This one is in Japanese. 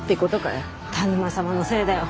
田沼様のせいだよ！